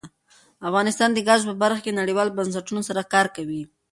افغانستان د ګاز په برخه کې نړیوالو بنسټونو سره کار کوي.